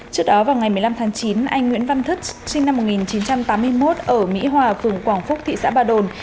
trước đó vào ngày một mươi năm tháng chín anh nguyễn văn thức sinh năm một nghìn chín trăm tám mươi một ở mỹ hòa phường quảng phúc thị xã ba đồn